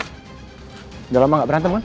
sudah lama gak berantem kan